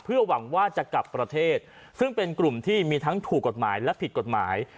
หวังว่าจะกลับประเทศซึ่งเป็นกลุ่มที่มีทั้งถูกกฎหมายและผิดกฎหมาย